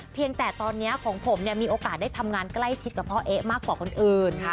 แต่ตอนนี้ของผมเนี่ยมีโอกาสได้ทำงานใกล้ชิดกับพ่อเอ๊ะมากกว่าคนอื่น